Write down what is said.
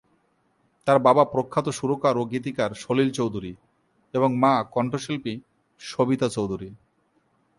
তার বাবা প্রখ্যাত সুরকার ও গীতিকার সলিল চৌধুরী এবং মা কণ্ঠশিল্পী সবিতা চৌধুরী।